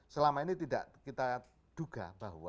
selama ini tidak kita duga bahwa